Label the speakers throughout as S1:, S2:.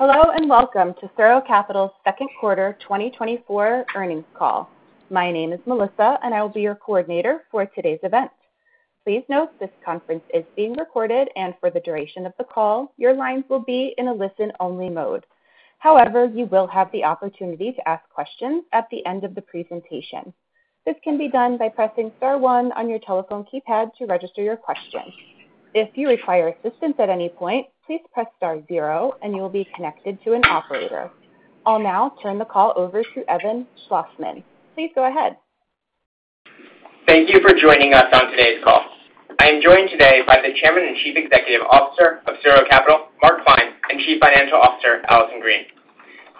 S1: Hello, and welcome to SuRo Capital's second quarter 2024 earnings call. My name is Melissa, and I will be your coordinator for today's event. Please note, this conference is being recorded, and for the duration of the call, your lines will be in a listen-only mode. However, you will have the opportunity to ask questions at the end of the presentation. This can be done by pressing star one on your telephone keypad to register your question. If you require assistance at any point, please press star zero, and you will be connected to an operator. I'll now turn the call over to Evan Schlossman. Please go ahead.
S2: Thank you for joining us on today's call. I am joined today by the Chairman and Chief Executive Officer of SuRo Capital, Mark Klein, and Chief Financial Officer, Allison Green.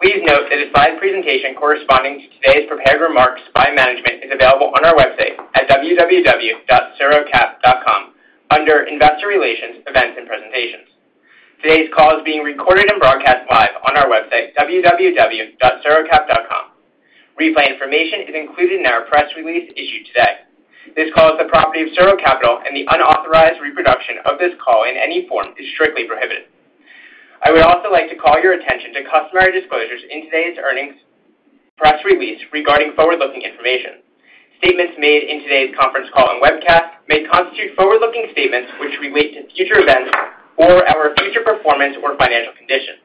S2: Please note that a slide presentation corresponding to today's prepared remarks by management is available on our website at www.surocap.com under Investor Relations, Events and Presentations. Today's call is being recorded and broadcast live on our website, www.surocap.com. Replay information is included in our press release issued today. This call is the property of SuRo Capital, and the unauthorized reproduction of this call in any form is strictly prohibited. I would also like to call your attention to customary disclosures in today's earnings press release regarding forward-looking information. Statements made in today's conference call and webcast may constitute forward-looking statements which relate to future events or our future performance or financial condition.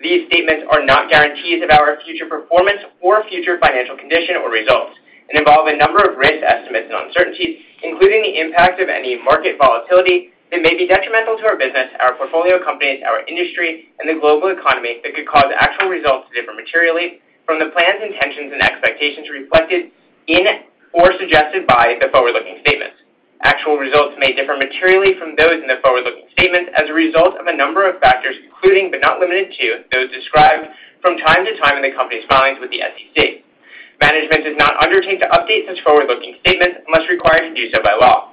S2: These statements are not guarantees of our future performance or future financial condition or results and involve a number of risks, estimates, and uncertainties, including the impact of any market volatility that may be detrimental to our business, our portfolio companies, our industry, and the global economy that could cause actual results to differ materially from the plans, intentions, and expectations reflected in or suggested by the forward-looking statements. Actual results may differ materially from those in the forward-looking statements as a result of a number of factors, including, but not limited to, those described from time to time in the company's filings with the SEC. Management does not undertake to update such forward-looking statements unless required to do so by law.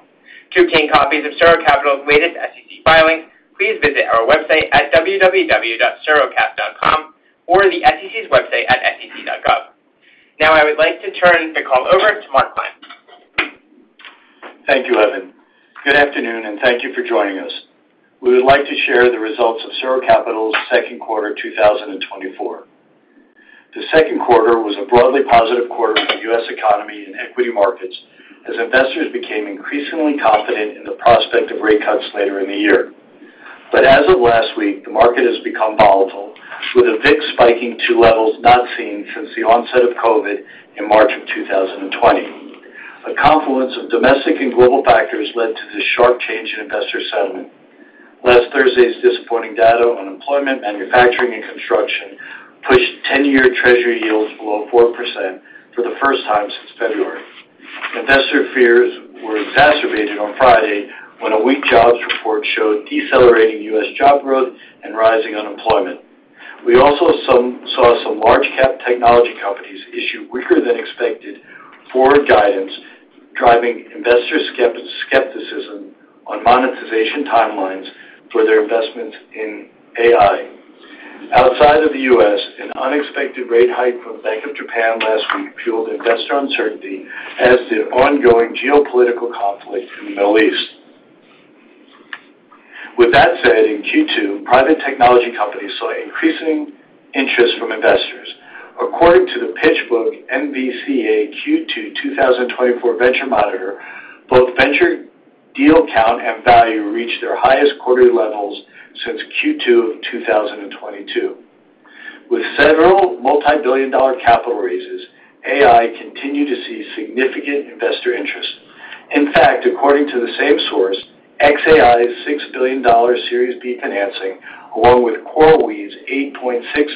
S2: To obtain copies of SuRo Capital's latest SEC filings, please visit our website at www.surocap.com or the SEC's website at sec.gov. Now, I would like to turn the call over to Mark Klein.
S3: Thank you, Evan. Good afternoon, and thank you for joining us. We would like to share the results of SuRo Capital's second quarter 2024. The second quarter was a broadly positive quarter for the U.S. economy and equity markets as investors became increasingly confident in the prospect of rate cuts later in the year. But as of last week, the market has become volatile, with a VIX spiking to levels not seen since the onset of COVID in March 2020. A confluence of domestic and global factors led to this sharp change in investor sentiment. Last Thursday's disappointing data on employment, manufacturing, and construction pushed 10-year treasury yields below 4% for the first time since February. Investor fears were exacerbated on Friday when a weak jobs report showed decelerating U.S. job growth and rising unemployment. We also saw some large cap technology companies issue weaker than expected forward guidance, driving investor skepticism on monetization timelines for their investment in AI. Outside of the US, an unexpected rate hike from Bank of Japan last week fueled investor uncertainty as the ongoing geopolitical conflict in the Middle East. With that said, in Q2, private technology companies saw increasing interest from investors. According to the PitchBook NVCA Q2 2024 Venture Monitor, both venture deal count and value reached their highest quarterly levels since Q2 of 2022. With several multibillion-dollar capital raises, AI continued to see significant investor interest. In fact, according to the same source, XAI's $6 billion Series B financing, along with CoreWeave's $8.6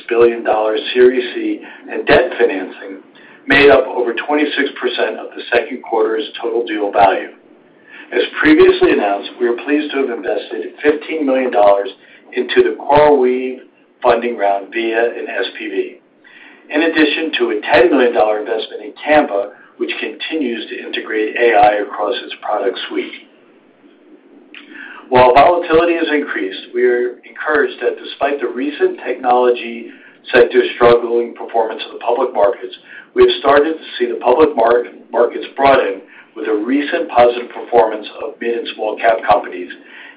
S3: billion Series C and debt financing, made up over 26% of the second quarter's total deal value. As previously announced, we are pleased to have invested $15 million into the CoreWeave funding round via an SPV, in addition to a $10 million investment in Canva, which continues to integrate AI across its product suite. While volatility has increased, we are encouraged that despite the recent technology sector struggling performance of the public markets, we have started to see the public markets brought in with a recent positive performance of mid- and small-cap companies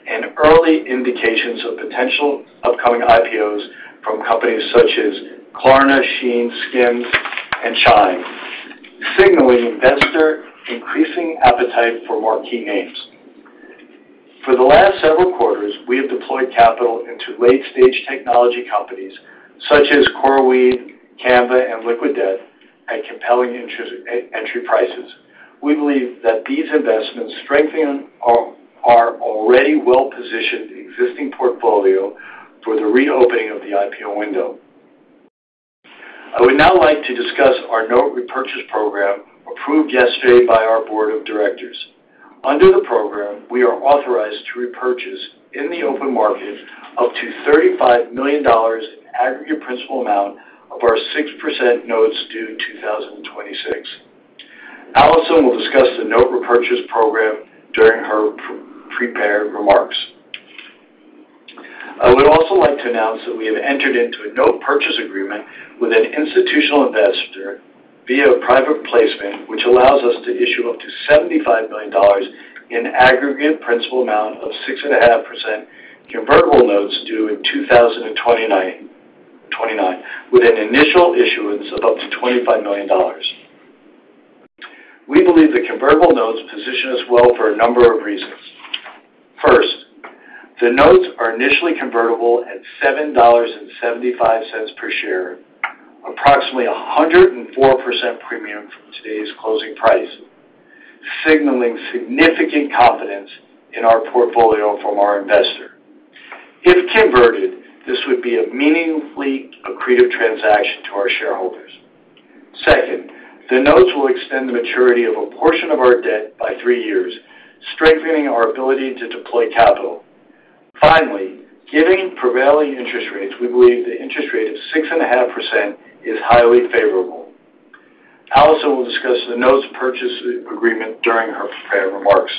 S3: and early indications of potential upcoming IPOs from companies such as Klarna, Shein, SKIMS, and Chime, signaling investor increasing appetite for more key names. For the last several quarters, we have deployed capital into late-stage technology companies such as CoreWeave, Canva, and Liquid Debt at compelling interest, entry prices. We believe that these investments strengthen our already well-positioned existing portfolio for the reopening of the IPO window. I would now like to discuss our note repurchase program, approved yesterday by our board of directors. Under the program, we are authorized to repurchase in the open market up to $35 million in aggregate principal amount of our 6% notes due 2026. Allison will discuss the note repurchase program during her prepared remarks. I would also like to announce that we have entered into a note purchase agreement with an institutional investor via a private placement, which allows us to issue up to $75 million in aggregate principal amount of 6.5% convertible notes due in 2029, with an initial issuance of up to $25 million. We believe the convertible notes position us well for a number of reasons. First, the notes are initially convertible at $7.75 per share, approximately 104% premium from today's closing price, signaling significant confidence in our portfolio from our investor. If converted, this would be a meaningfully accretive transaction to our shareholders. Second, the notes will extend the maturity of a portion of our debt by 3 years, strengthening our ability to deploy capital. Finally, giving prevailing interest rates, we believe the interest rate of 6.5% is highly favorable. Allison will discuss the notes purchase agreement during her prepared remarks.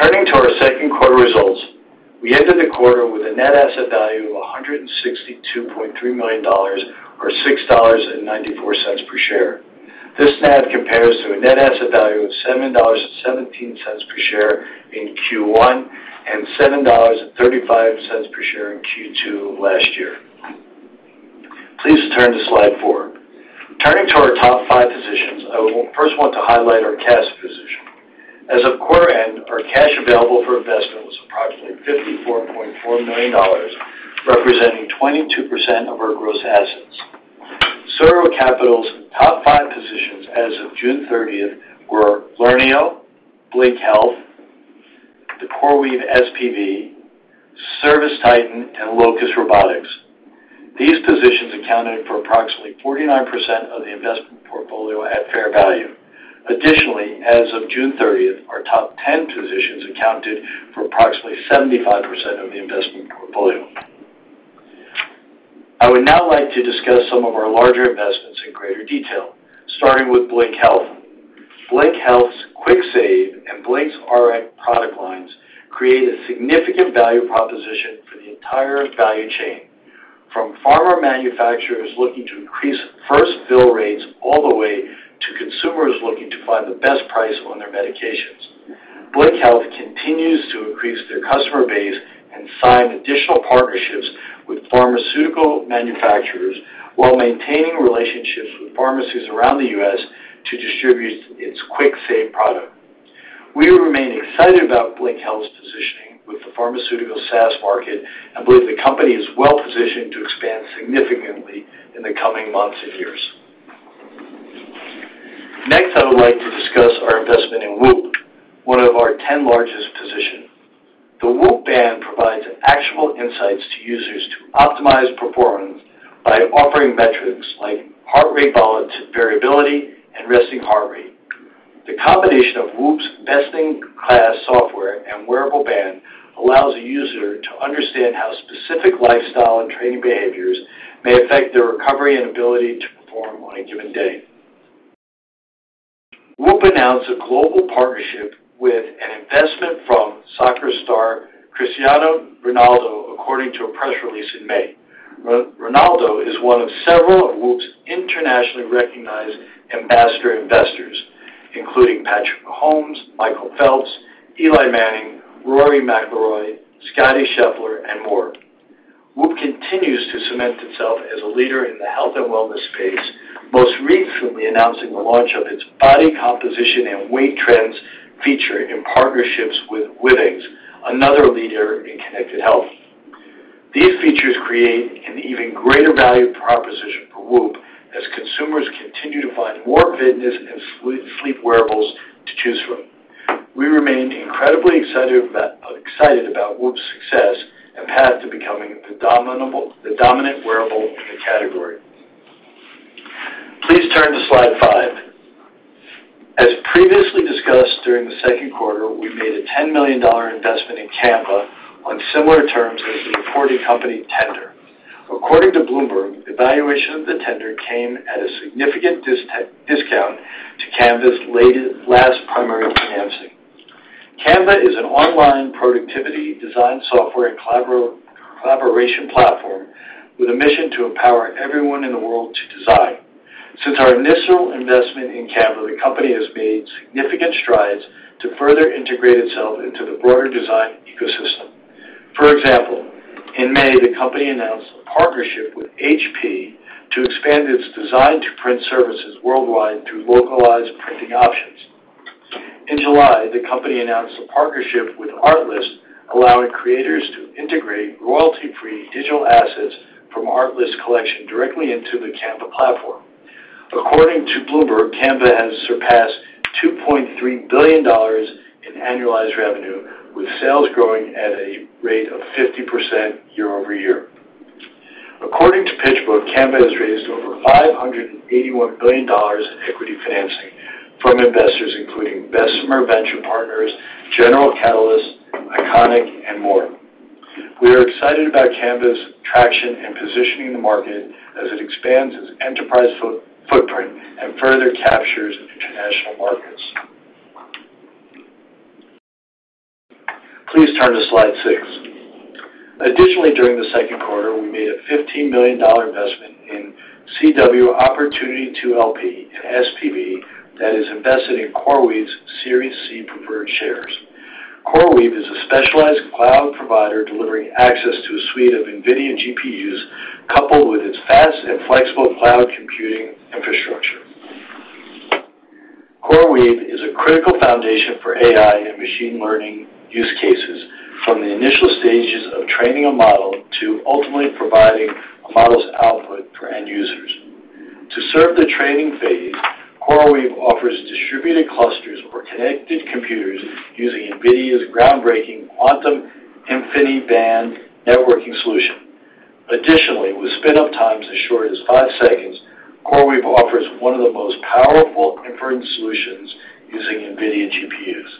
S3: Turning to our second quarter results, we ended the quarter with a net asset value of $162.3 million, or $6.94 per share. This NAV compares to a net asset value of $7.17 per share in Q1, and $7.35 per share in Q2 last year. Please turn to slide 4. Turning to our top five positions, I first want to highlight our cash position. As of quarter end, our cash available for investment was approximately $54.4 million, representing 22% of our gross assets. SuRo Capital's top five positions as of June thirtieth were Learneo, Blink Health, the CoreWeave SPV, ServiceTitan, and Locus Robotics. These positions accounted for approximately 49% of the investment portfolio at fair value. Additionally, as of June thirtieth, our top ten positions accounted for approximately 75% of the investment portfolio. I would now like to discuss some of our larger investments in greater detail, starting with Blink Health. Blink Health's QuickSave and BlinkRx product lines create a significant value proposition for the entire value chain, from pharma manufacturers looking to increase first fill rates all the way to consumers looking to find the best price on their medications. Blink Health continues to increase their customer base and sign additional partnerships with pharmaceutical manufacturers, while maintaining relationships with pharmacies around the U.S. to distribute its QuickSave product. We remain excited about Blink Health's positioning with the pharmaceutical SaaS market and believe the company is well positioned to expand significantly in the coming months and years. Next, I would like to discuss our investment in Whoop, one of our 10 largest positions. The Whoop Band provides actionable insights to users to optimize performance by offering metrics like heart rate variability and resting heart rate. The combination of Whoop's best-in-class software and wearable band allows a user to understand how specific lifestyle and training behaviors may affect their recovery and ability to perform on a given day. Whoop announced a global partnership with an investment from soccer star Cristiano Ronaldo, according to a press release in May. Ronaldo is one of several of Whoop's internationally recognized ambassador investors, including Patrick Mahomes, Michael Phelps, Eli Manning, Rory McIlroy, Scottie Scheffler, and more. Whoop continues to cement itself as a leader in the health and wellness space, most recently announcing the launch of its body composition and weight trends feature in partnerships with Withings, another leader in connected health. These features create an even greater value proposition for Whoop as consumers continue to find more fitness and sleep wearables to choose from. We remain incredibly excited about Whoop's success and path to becoming the dominant wearable in the category. Please turn to slide 5. As previously discussed, during the second quarter, we made a $10 million investment in Canva on similar terms as the reporting company tender. According to Bloomberg, the valuation of the tender came at a significant discount to Canva's last primary financing. Canva is an online productivity design software and collaboration platform with a mission to empower everyone in the world to design. Since our initial investment in Canva, the company has made significant strides to further integrate itself into the broader design ecosystem. For example, in May, the company announced a partnership with HP to expand its design-to-print services worldwide through localized printing options. In July, the company announced a partnership with Artlist, allowing creators to integrate royalty-free digital assets from Artlist collection directly into the Canva platform. According to Bloomberg, Canva has surpassed $2.3 billion in annualized revenue, with sales growing at a rate of 50% year-over-year. According to PitchBook, Canva has raised over $581 billion in equity financing from investors including Bessemer Venture Partners, General Catalyst, Iconiq Capital, and more. We are excited about Canva's traction in positioning the market as it expands its enterprise footprint and further captures international markets. Please turn to slide six. Additionally, during the second quarter, we made a $15 million investment in CW Opportunity Two LP, an SPV that is invested in CoreWeave's Series C preferred shares. CoreWeave is a specialized cloud provider delivering access to a suite of NVIDIA GPUs, coupled with its fast and flexible cloud computing infrastructure. CoreWeave is a critical foundation for AI and machine learning use cases, from the initial stages of training a model to ultimately providing a model's output for end users. To serve the training phase, CoreWeave offers distributed clusters or connected computers using NVIDIA's groundbreaking Quantum-InfiniBand networking solution. Additionally, with spin-up times as short as 5 seconds, CoreWeave offers one of the most powerful inference solutions using NVIDIA GPUs.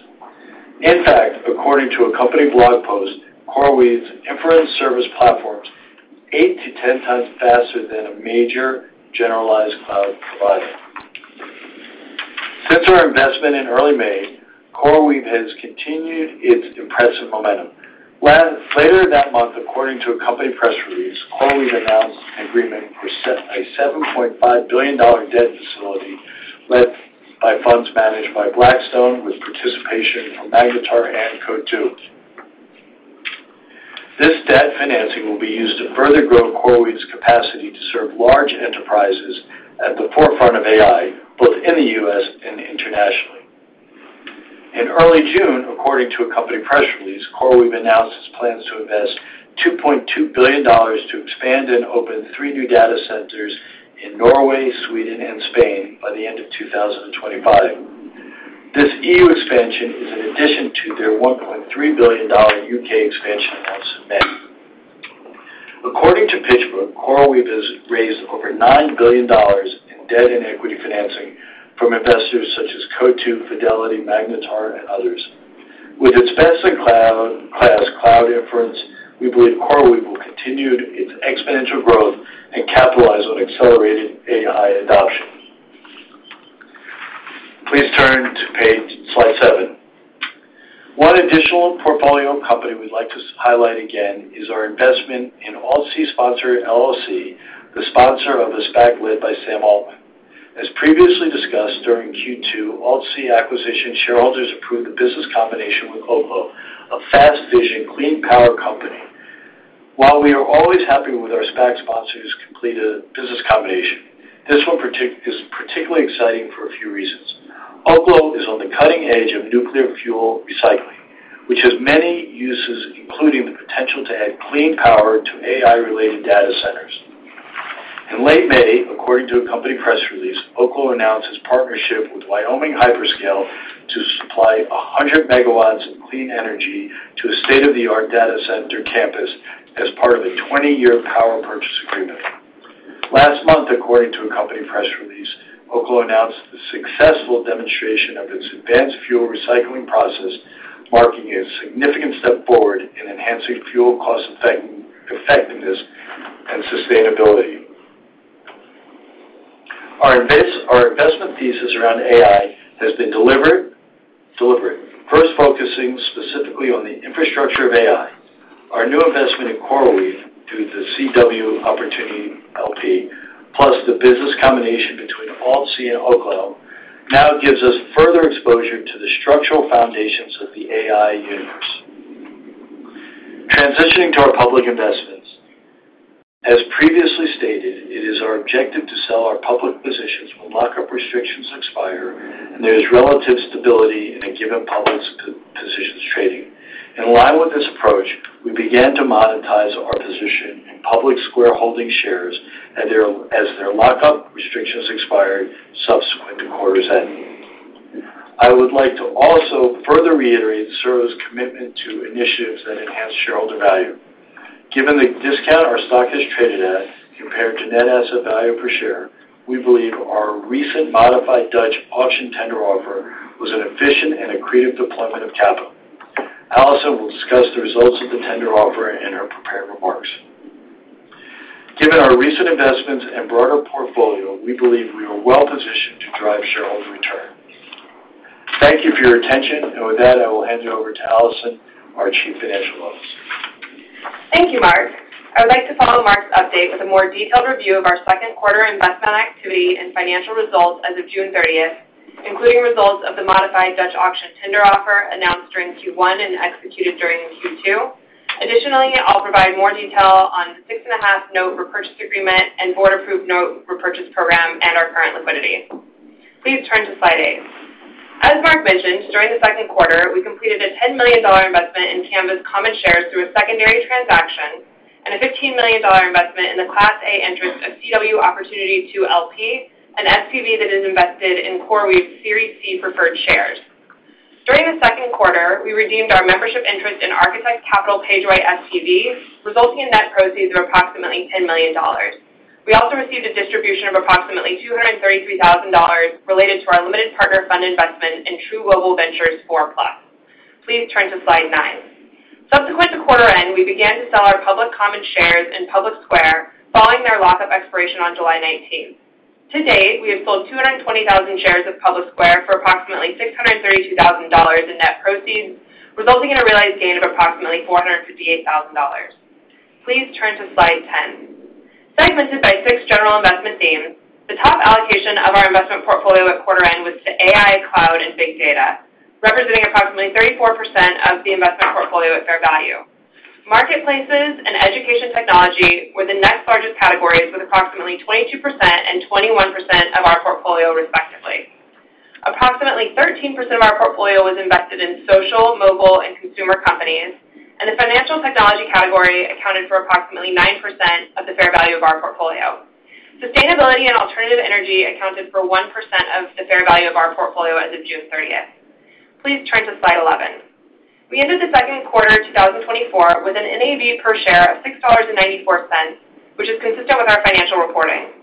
S3: In fact, according to a company blog post, CoreWeave's inference service platform is 8 to 10 times faster than a major generalized cloud provider. Since our investment in early May, CoreWeave has continued its impressive momentum. Later that month, according to a company press release, CoreWeave announced an agreement for a $7.5 billion debt facility led by funds managed by Blackstone, with participation from Magnetar and Coatue. This debt financing will be used to further grow CoreWeave's capacity to serve large enterprises at the forefront of AI, both in the U.S. and internationally. In early June, according to a company press release, CoreWeave announced its plans to invest $2.2 billion to expand and open three new data centers in Norway, Sweden, and Spain by the end of 2025. This EU expansion is in addition to their $1.3 billion U.K. expansion announced in May. According to PitchBook, CoreWeave has raised over $9 billion in debt and equity financing from investors such as Coatue, Fidelity, Magnetar, and others. With its best-in-class cloud inference, we believe CoreWeave will continue its exponential growth and capitalize on accelerated AI adoption. Please turn to page, slide seven. One additional portfolio company we'd like to highlight again is our investment in AltC Sponsor LLC, the sponsor of a SPAC led by Sam Altman. As previously discussed, during Q2, AltC Acquisition shareholders approved a business combination with Oklo, a fast-fission clean power company. While we are always happy with our SPAC sponsor's completed business combination, this one is particularly exciting for a few reasons. Oklo is on the cutting edge of nuclear fuel recycling, which has many uses, including the potential to add clean power to AI-related data centers. In late May, according to a company press release, Oklo announced its partnership with Wyoming Hyperscale to supply 100 MW of clean energy to a state-of-the-art data center campus as part of a 20-year power purchase agreement. Last month, according to a company press release, Oklo announced the successful demonstration of its advanced fuel recycling process, marking a significant step forward in enhancing fuel cost effectiveness and sustainability. Our investment thesis around AI has been delivered, delivering. First, focusing specifically on the infrastructure of AI. Our new investment in CoreWeave, through the CW Opportunity LP, plus the business combination between AltC and Oklo, now gives us further exposure to the structural foundations of the AI universe. Transitioning to our public investments. As previously spoken, it is our objective to sell our public positions when lockup restrictions expire, and there is relative stability in a given public's positions trading. In line with this approach, we began to monetize our position in PublicSq. Holdings shares as their lockup restrictions expired subsequent to quarter's end. I would like to also further reiterate SuRo's commitment to initiatives that enhance shareholder value. Given the discount our stock has traded at compared to net asset value per share, we believe our recent modified Dutch auction tender offer was an efficient and accretive deployment of capital. Allison will discuss the results of the tender offer in her prepared remarks. Given our recent investments and broader portfolio, we believe we are well positioned to drive shareholder return. Thank you for your attention, and with that, I will hand it over to Allison, our Chief Financial Officer.
S4: Thank you, Mark. I would like to follow Mark's update with a more detailed review of our second quarter investment activity and financial results as of June 30, including results of the modified Dutch auction tender offer announced during Q1 and executed during Q2. Additionally, I'll provide more detail on the 6.5 note repurchase agreement and board-approved note repurchase program, and our current liquidity. Please turn to slide 8. As Mark mentioned, during the second quarter, we completed a $10 million investment in Canva common shares through a secondary transaction, and a $15 million investment in the Class A interest of CW Opportunity Two LP, an SPV that is invested in CoreWeave's Series C preferred shares. During the second quarter, we redeemed our membership interest in Architect Capital Pagewight SPV, resulting in net proceeds of approximately $10 million. We also received a distribution of approximately $233,000 related to our limited partner fund investment in True Global Ventures Four Plus. Please turn to slide 9. Subsequent to quarter end, we began to sell our public common shares in Public Square, following their lockup expiration on July nineteenth. To date, we have sold 220,000 shares of Public Square for approximately $632,000 in net proceeds, resulting in a realized gain of approximately $458,000. Please turn to slide 10. Segmented by six general investment themes, the top allocation of our investment portfolio at quarter end was to AI, cloud, and big data, representing approximately 34% of the investment portfolio at fair value. Marketplaces and education technology were the next largest categories, with approximately 22% and 21% of our portfolio, respectively. Approximately 13% of our portfolio was invested in social, mobile, and consumer companies, and the financial technology category accounted for approximately 9% of the fair value of our portfolio. Sustainability and alternative energy accounted for 1% of the fair value of our portfolio as of June 30. Please turn to Slide 11. We ended the second quarter 2024 with an NAV per share of $6.94, which is consistent with our financial reporting.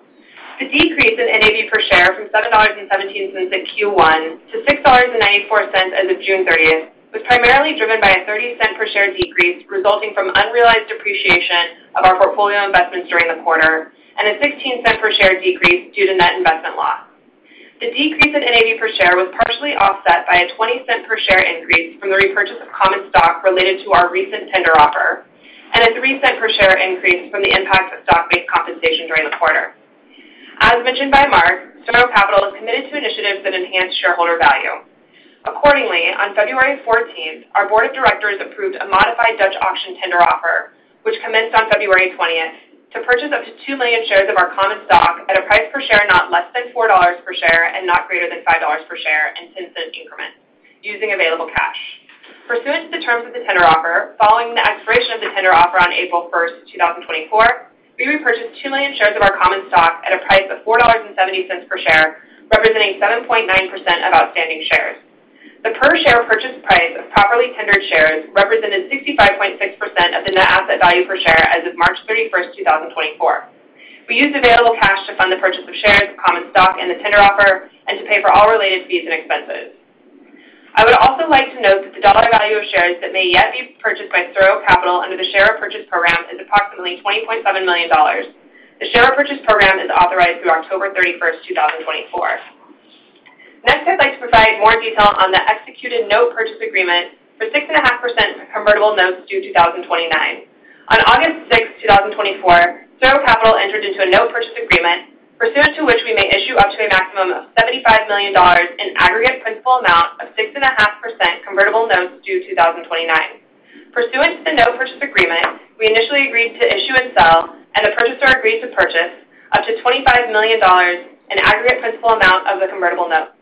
S4: The decrease in NAV per share from $7.17 at Q1 to $6.94 as of June 30 was primarily driven by a $0.30 per share decrease, resulting from unrealized depreciation of our portfolio investments during the quarter, and a $0.16 per share decrease due to net investment loss. The decrease in NAV per share was partially offset by a $0.20 per share increase from the repurchase of common stock related to our recent tender offer, and a $0.03 per share increase from the impact of stock-based compensation during the quarter. As mentioned by Mark, SuRo Capital is committed to initiatives that enhance shareholder value. Accordingly, on February fourteenth, our board of directors approved a modified Dutch auction tender offer, which commenced on February twentieth, to purchase up to 2 million shares of our common stock at a price per share not less than $4 per share and not greater than $5 per share in 10-cent increments, using available cash. Pursuant to the terms of the tender offer, following the expiration of the tender offer on April 1, 2024, we repurchased 2 million shares of our common stock at a price of $4.70 per share, representing 7.9% of outstanding shares. The per share purchase price of properly tendered shares represented 65.6% of the net asset value per share as of March 31, 2024. We used available cash to fund the purchase of shares of common stock in the tender offer and to pay for all related fees and expenses. I would also like to note that the dollar value of shares that may yet be purchased by SuRo Capital under the share purchase program is approximately $20.7 million. The share purchase program is authorized through October 31, 2024. Next, I'd like to provide more detail on the executed note purchase agreement for 6.5% convertible notes due 2029. On August 6, 2024, SuRo Capital entered into a note purchase agreement, pursuant to which we may issue up to a maximum of $75 million in aggregate principal amount of 6.5% convertible notes due 2029. Pursuant to the note purchase agreement, we initially agreed to issue and sell, and the purchaser agreed to purchase up to $25 million in aggregate principal amount of the convertible note.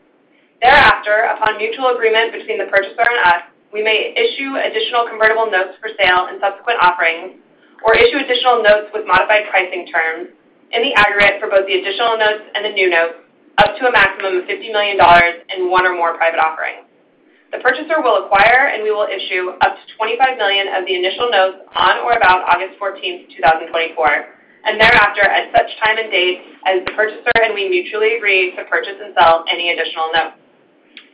S4: Thereafter, upon mutual agreement between the purchaser and us, we may issue additional convertible notes for sale in subsequent offerings or issue additional notes with modified pricing terms in the aggregate for both the additional notes and the new notes, up to a maximum of $50 million in one or more private offerings. The purchaser will acquire, and we will issue up to $25 million of the initial notes on or about August fourteenth, 2024, and thereafter at such time and date as the purchaser, and we mutually agree to purchase and sell any additional notes.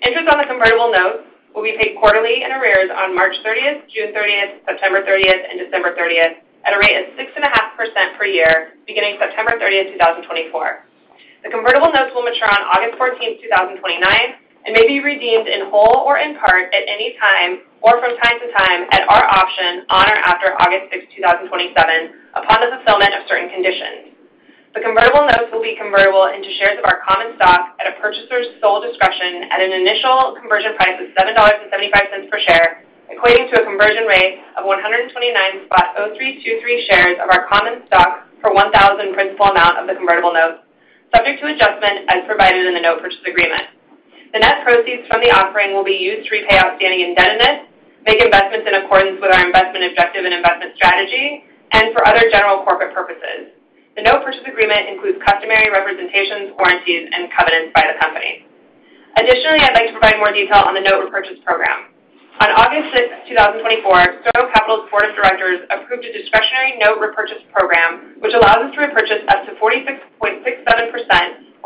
S4: Interest on the convertible notes will be paid quarterly in arrears on March thirtieth, June thirtieth, September thirtieth, and December thirtieth at a rate of 6.5% per year, beginning September thirtieth, 2024. The convertible notes will mature on August 14, 2029, and may be redeemed in whole or in part at any time, or from time to time, at our option, on or after August 6, 2027, upon the fulfillment of certain conditions. The convertible notes will be convertible into shares of our common stock at a purchaser's sole discretion, at an initial conversion price of $7.75 per share, equating to a conversion rate of 129.0323 shares of our common stock for $1,000 principal amount of the convertible notes, subject to adjustment as provided in the note purchase agreement. The net proceeds from the offering will be used to repay outstanding indebtedness, make investments in accordance with our investment objective and investment strategy, and for other general corporate purposes. The note purchase agreement includes customary representations, warranties, and covenants by the company. Additionally, I'd like to provide more detail on the note repurchase program. On August sixth, two thousand and twenty-four, SuRo Capital's board of directors approved a discretionary note repurchase program, which allows us to repurchase up to 46.67%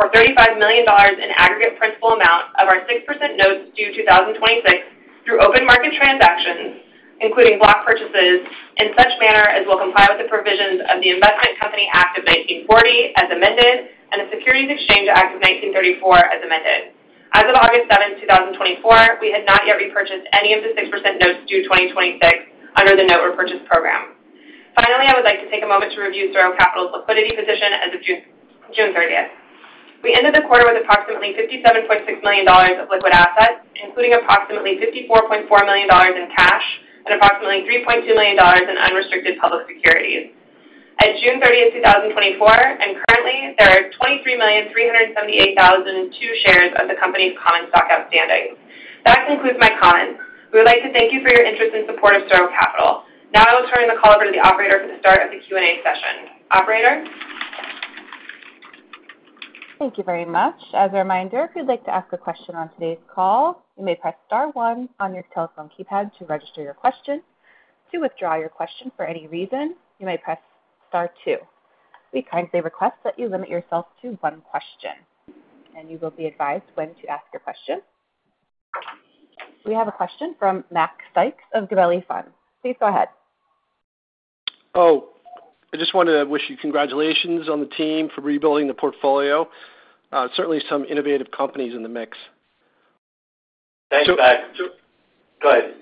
S4: or $35 million in aggregate principal amount of our 6% notes due 2026 through open market transactions, including block purchases, in such manner as will comply with the provisions of the Investment Company Act of 1940, as amended, and the Securities Exchange Act of 1934, as amended. As of August seventh, two thousand and twenty-four, we had not yet repurchased any of the 6% notes due 2026 under the note repurchase program. Finally, I would like to take a moment to review SuRo Capital's liquidity position as of June thirtieth. We ended the quarter with approximately $57.6 million of liquid assets, including approximately $54.4 million in cash and approximately $3.2 million in unrestricted public securities. At June thirtieth, 2024, and currently, there are 23,378,002 shares of the company's common stock outstanding. That concludes my comments. We would like to thank you for your interest and support of SuRo Capital. Now I will turn the call over to the operator to start the Q&A session. Operator?
S1: Thank you very much. As a reminder, if you'd like to ask a question on today's call, you may press star one on your telephone keypad to register your question. To withdraw your question for any reason, you may press star two. We kindly request that you limit yourself to one question, and you will be advised when to ask your question... We have a question from Mac Sykes of Gabelli Funds. Please go ahead.
S5: Oh, I just wanted to wish you congratulations on the team for rebuilding the portfolio. Certainly some innovative companies in the mix.
S3: Thanks, Mac.
S5: So, so-
S3: Go ahead.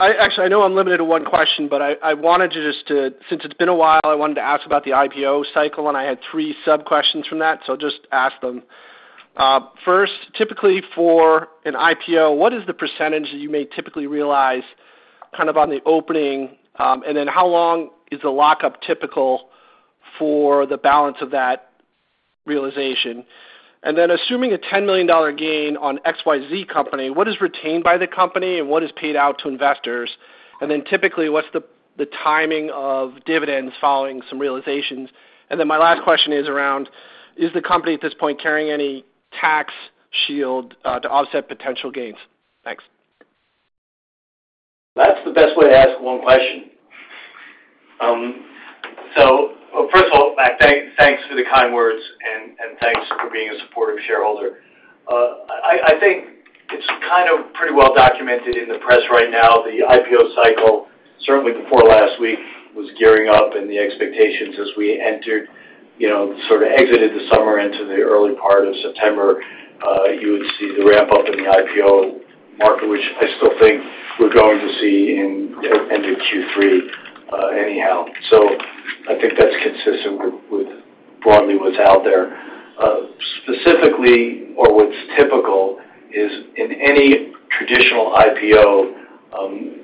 S5: Actually, I know I'm limited to one question, but I wanted to—since it's been a while, I wanted to ask about the IPO cycle, and I had three sub-questions from that, so I'll just ask them. First, typically for an IPO, what is the percentage that you may typically realize, kind of on the opening? And then how long is the lockup typical for the balance of that realization? And then assuming a $10 million gain on XYZ company, what is retained by the company, and what is paid out to investors? And then typically, what's the timing of dividends following some realizations? And then my last question is around, is the company, at this point, carrying any tax shield to offset potential gains? Thanks.
S3: That's the best way to ask one question. So first of all, Mac, thanks for the kind words, and thanks for being a supportive shareholder. I think it's kind of pretty well documented in the press right now, the IPO cycle, certainly before last week, was gearing up, and the expectations as we entered, you know, sort of exited the summer into the early part of September, you would see the ramp-up in the IPO market, which I still think we're going to see in ending Q3, anyhow. So I think that's consistent with broadly what's out there. Specifically, or what's typical, is in any traditional IPO,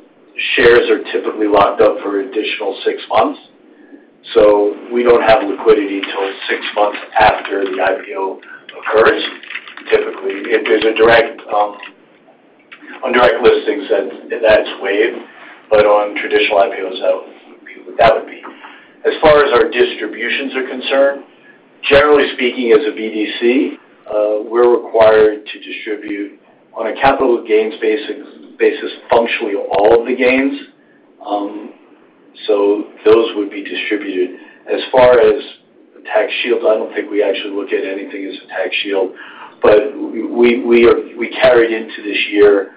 S3: shares are typically locked up for an additional six months, so we don't have liquidity until six months after the IPO occurs, typically. If there's a direct, on direct listings, then that's waived, but on traditional IPOs, that would be. As far as our distributions are concerned, generally speaking, as a BDC, we're required to distribute on a capital gains basis, functionally all of the gains. So those would be distributed. As far as the tax shield, I don't think we actually look at anything as a tax shield, but we carried into this year,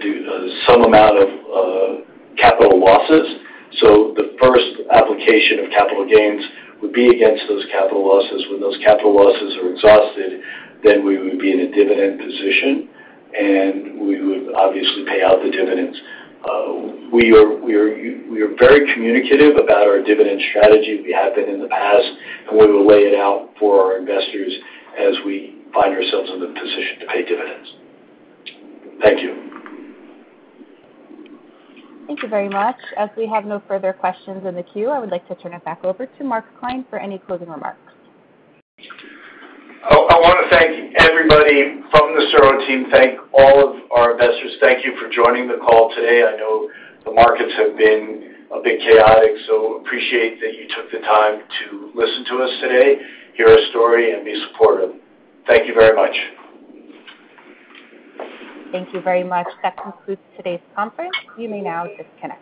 S3: due to some amount of, capital losses. So the first application of capital gains would be against those capital losses. When those capital losses are exhausted, then we would be in a dividend position, and we would obviously pay out the dividends. We are very communicative about our dividend strategy. We have been in the past, and we will lay it out for our investors as we find ourselves in the position to pay dividends. Thank you.
S1: Thank you very much. As we have no further questions in the queue, I would like to turn it back over to Mark Klein for any closing remarks.
S3: Oh, I want to thank everybody from the SuRo team, thank all of our investors. Thank you for joining the call today. I know the markets have been a bit chaotic, so appreciate that you took the time to listen to us today, hear our story, and be supportive. Thank you very much.
S1: Thank you very much. That concludes today's conference. You may now disconnect.